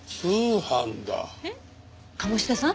えっ鴨志田さん？